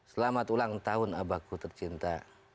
selamat ulang tahun abahku tercinta